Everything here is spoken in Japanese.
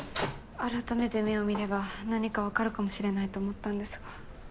改めて目を見れば何か分かるかもしれないと思ったんですが。